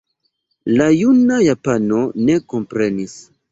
La juna japano ne komprenis.